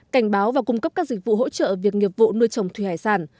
cảnh báo và cung cấp các dịch vụ hỗ trợ việc nghiệp vụ nuôi trồng thủy hải sản